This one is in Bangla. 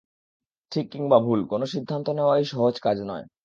ঠিক কিংবা ভুল, কোনো সিদ্ধান্ত নেওয়াই সহজ কাজ নয়।